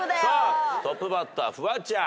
トップバッターフワちゃん。